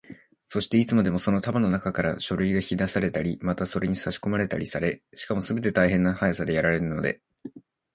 そして、いつでもその束のなかから書類が引き出されたり、またそれにさしこまれたりされ、しかもすべて大変な速さでやられるので、